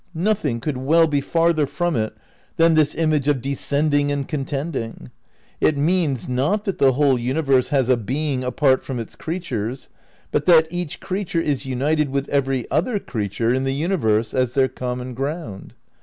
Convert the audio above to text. Nothing could well be farther from it than this image of descending and contending. It means, not that the whole universe has a being apart from its creatures, but that each creature is united with every other creature in the universe as their com mon ground.